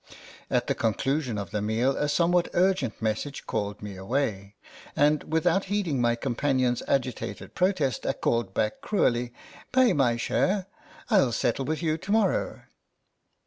At the conclusion of the meal a somewhat urgent message called me away, and without heeding my companion's agitated protest, I called back cruelly, " Pay my share ; ril settle with you to morrow."